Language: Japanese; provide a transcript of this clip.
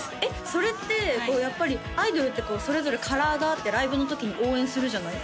それってやっぱりアイドルってそれぞれカラーがあってライブの時に応援するじゃない